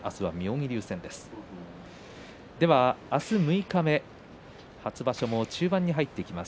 明日六日目初場所も中盤になってきます。